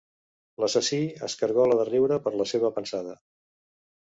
L'assassí es cargola de riure per la seva pensada.